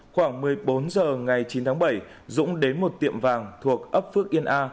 khoảng một mươi bốn h ngày chín tháng bảy dũng đến một tiệm vàng thuộc ấp phước yên a